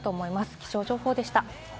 気象情報でした。